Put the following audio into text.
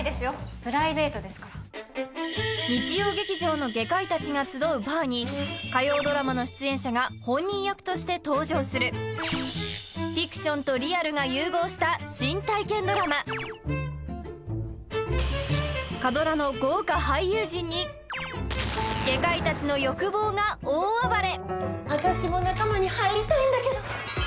プライベートですから日曜劇場の外科医達が集うバーに火曜ドラマの出演者が本人役として登場するフィクションとリアルが融合した新体験ドラマ火ドラの豪華俳優陣に私も仲間に入りたいんだけど！